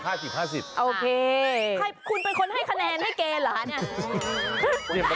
โอเคคุณเป็นคนให้คะแนนให้เกณฑ์เหรอคะเนี่ย